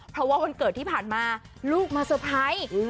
เพราะว่าวันเกิดที่ผ่านมาลูกมาเตอร์ไพรส์